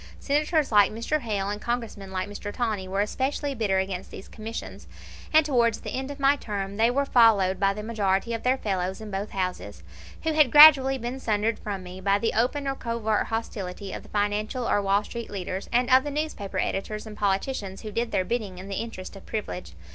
Senators like Mr. Hale and Congressmen like Mr. Tawney were especially bitter against these commissions; and towards the end of my term they were followed by the majority of their fellows in both houses, who had gradually been sundered from me by the open or covert hostility of the financial or Wall Street leaders, and of the newspaper editors and politicians who did their bidding in the interest of privilege.